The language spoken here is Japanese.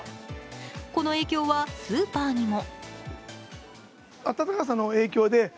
この影響はスーパーにも。